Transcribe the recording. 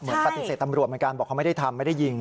ปฏิเสธตำรวจเหมือนกันบอกเขาไม่ได้ทำไม่ได้ยิง